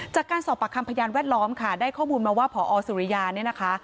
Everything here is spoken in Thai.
จากการสอบปากคำพยานแวดล้อมค่ะได้ข้อมูลมาว่าพอสุริยาเนี่ยนะคะ